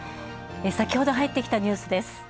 先ほど入ってきたニュースです。